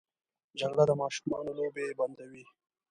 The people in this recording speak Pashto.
جګړه د ماشومانو لوبې بندوي